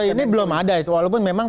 ini belum ada itu walaupun memang